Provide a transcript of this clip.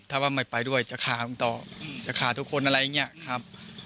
ถ้าว่าไม่ไปด้วยจะขามันต่อจะขาทุกคนอะไรอย่างนี้ครับ